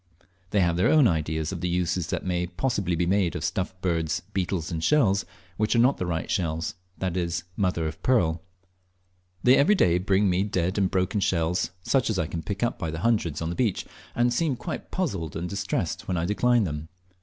They have their own ideas of the uses that may possibly be made of stuffed birds, beetles, and shells which are not the right shells that is, "mother of pearl." They every day bring me dead and broken shells, such as I can pick up by hundreds on the beach, and seem quite puzzled and distressed when I decline them.